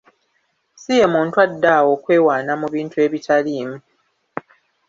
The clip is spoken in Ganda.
Si ye muntu addaawo okwewaana mu bintu ebitaliimu.